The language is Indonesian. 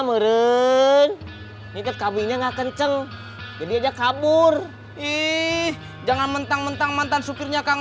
meren ini kan kabinnya enggak kenceng jadi aja kabur ih jangan mentang mentang mantan supirnya kang